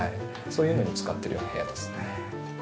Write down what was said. そういうのに使ってる部屋ですね。